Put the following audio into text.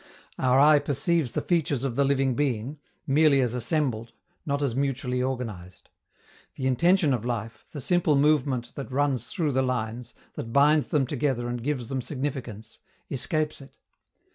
Our eye perceives the features of the living being, merely as assembled, not as mutually organized. The intention of life, the simple movement that runs through the lines, that binds them together and gives them significance, escapes it.